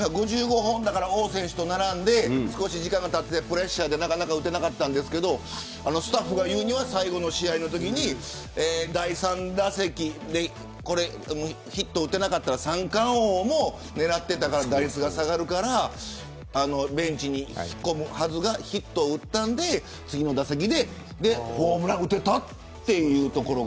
５５本だから王選手と並んで少し時間がたってプレッシャーでなかなか打てませんでしたがスタッフが言うには最後の試合のときに第３打席でヒットが打てなかったら三冠王も狙っていたから打率が下がるからベンチに引っ込むはずがヒットを打ったので次の打席でホームランを打てたという。